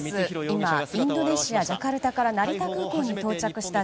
今インドネシア・ジャカルタから成田空港に到着した